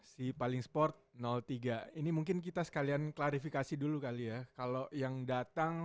si paling sport tiga ini mungkin kita sekalian klarifikasi dulu kali ya kalau yang datang